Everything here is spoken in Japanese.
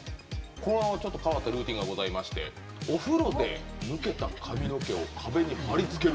ちょっと変わったルーティンがありましてお風呂で抜けた髪の毛を壁に貼りつける。